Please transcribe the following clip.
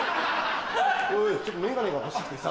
ちょっと眼鏡が欲しくてさ俺。